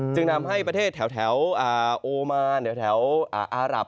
จึงทำให้ประเทศแถวโอมานแถวอารับ